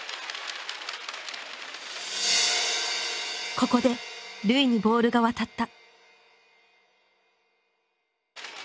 ここで瑠唯にボールが渡った。